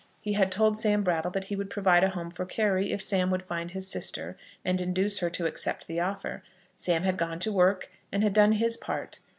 He had told Sam Brattle that he would provide a home for Carry, if Sam would find his sister and induce her to accept the offer. Sam had gone to work, and had done his part.